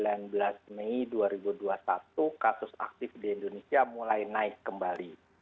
pada tanggal sembilan belas mei dua ribu dua puluh satu kasus aktif di indonesia mulai naik kembali